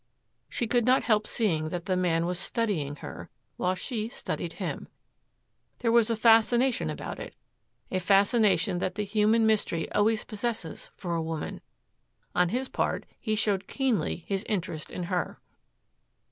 She could not help seeing that the man was studying her, while she studied him. There was a fascination about it, a fascination that the human mystery always possesses for a woman. On his part, he showed keenly his interest in her.